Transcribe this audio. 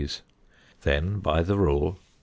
Then by the rule, 0.